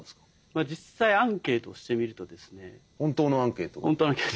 実際アンケートしてみるとですね。